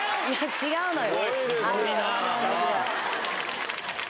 違うのよ。